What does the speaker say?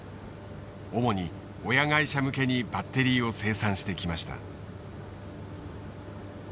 主に親会社向けにバッテリーを生産してきました。